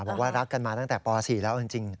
บอกว่ารักกันมาตั้งแต่ป๔แล้วจริง